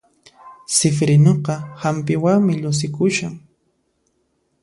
Sifirinuqa hampiwanmi llusikushan